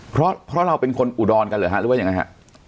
เพราะเราเป็นคนอุดรนกันหรือว่าอย่างไรค่ะ